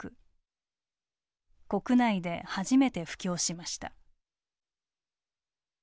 国内で初めて布教しました。